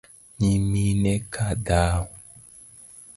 Nyimine ka dhao?